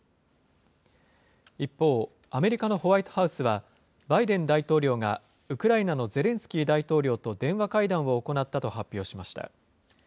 一方、アメリカのホワイトハウスは、バイデン大統領がウクライナのゼレンスキー大統領と電話会談を行ったと発表しました。